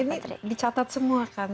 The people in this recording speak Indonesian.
ini harus ini dicatat semua kan